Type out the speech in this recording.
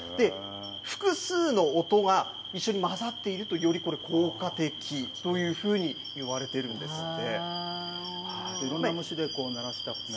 複数の音が一緒に混ざっていると、より効果的というふうにいわれているんですって。